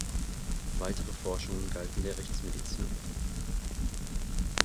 Weitere Forschungen galten der Rechtsmedizin.